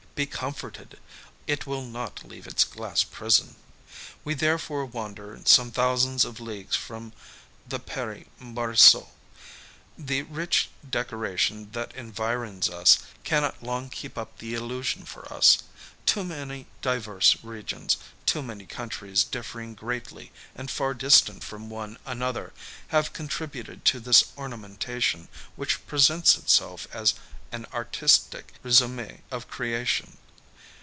Be comforted ! It will not leave its glass prison. We therefore wander some thousands of leagues from the Pare Monceaux. The rich decoration that environs us cannot long keep up the illusion for us : too many diverse regions, too many countries diflering greatly and far distant from one another have contributed to this ornamentation which presents itself as an artistic risumi of creation.